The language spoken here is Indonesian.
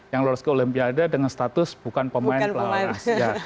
yang lolos ke olimpiade dengan status bukan pemain pelawan asia